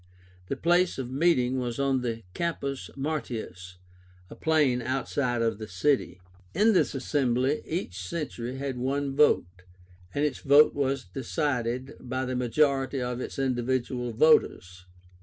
The place of meeting was on the CAMPUS MARTIUS, a plain outside of the city. In this assembly each century had one vote, and its vote was decided by the majority of its individual voters.